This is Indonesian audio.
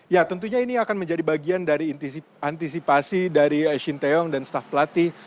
ya tentunya ini akan menjadi bagian dari antisipasi dari shin taeyong dan staff pelatih